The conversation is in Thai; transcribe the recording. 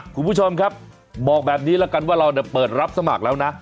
คุณผู้ชมครับบอกแบบนี้แล้วกันว่าเราเปิดรับสมัครแล้วนะ